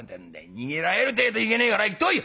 逃げられるてえといけねえから行ってこい！」。